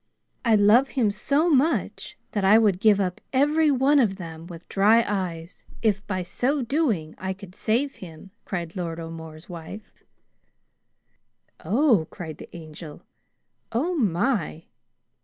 "I love him so much that I would give up every one of them with dry eyes if by so doing I could save him," cried Lord O'More's wife. "Oh!" cried the Angel. "Oh, my!"